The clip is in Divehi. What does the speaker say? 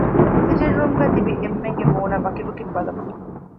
ސިޓިންގ ރޫމްގައި ތިބި އެންމެންގެ މޫނަށް ވަކިވަކިން ބަލަމުން